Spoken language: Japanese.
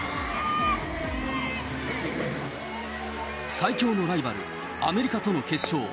最強のライバル、アメリカとの決勝。